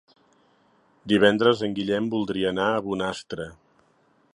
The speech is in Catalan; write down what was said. Divendres en Guillem voldria anar a Bonastre.